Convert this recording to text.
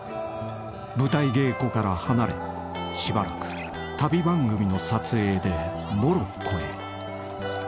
［舞台稽古から離れしばらく旅番組の撮影でモロッコへ］